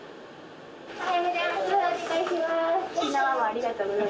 おはようございます。